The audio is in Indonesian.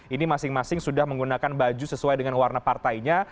ini masing masing sudah menggunakan baju sesuai dengan warna partainya